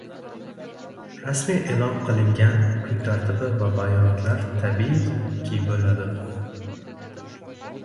Rasmiy e’lon qilingan kun tartibi va bayonotlar, tabiiyki, bo‘ladi.